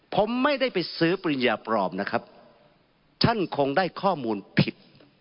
ผมไม่ได้ไปซื้อปริญญาปลอมนะครับท่านคงได้ข้อมูลผิด